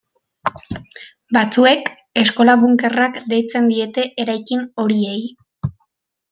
Batzuek eskola-bunkerrak deitzen diete eraikin horiei.